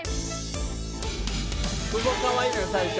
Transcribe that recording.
ここかわいいのよ最初